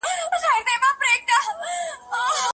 ډیپلوماتان د کلتورونو ترمنځ پل جوړوي.